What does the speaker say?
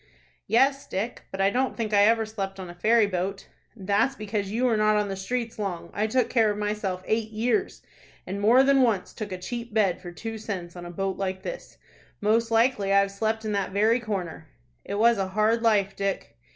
"Yes, Dick, but I don't think I ever slept on a ferry boat." "That's because you were not on the streets long I took care of myself eight years, and more than once took a cheap bed for two cents on a boat like this. Most likely I've slept in that very corner." "It was a hard life, Dick."